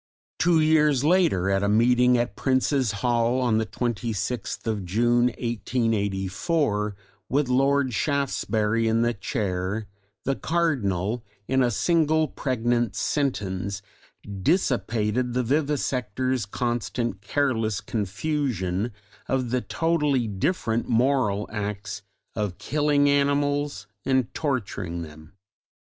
Two years later at a Meeting at Prince's Hall on the 26th of June, 1884, with Lord Shaftesbury in the Chair, the Cardinal in a single pregnant sentence dissipated the vivisectors' constant careless confusion of the totally different moral acts of killing animals and torturing them.